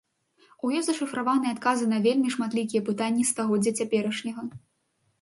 У ёй зашыфраваныя адказы на вельмі шматлікія пытанні стагоддзя цяперашняга.